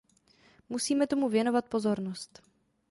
Musíme tomu věnovat pozornost.